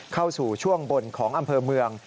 เข้าสู่ช่วงบนของอำเภอเมือง